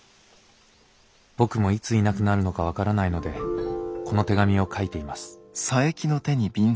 僕もいついなくなるのか分からないのでこの手紙を書いています。